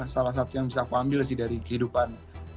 salah satu yang bisa aku ambil sih dari kehidupan